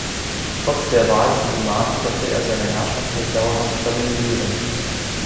Trotz der Wahl zum Imam konnte er seine Herrschaft nicht dauerhaft stabilisieren.